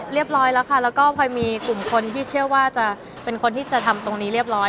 ร้อยแล้วค่ะแล้วก็พลอยมีกลุ่มคนที่เชื่อว่าจะเป็นคนที่จะทำตรงนี้เรียบร้อย